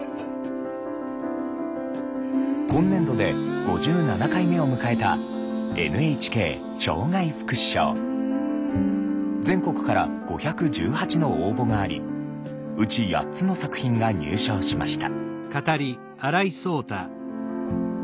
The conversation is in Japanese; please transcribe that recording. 今年度で５７回目を迎えた全国から５１８の応募がありうち８つの作品が入賞しました。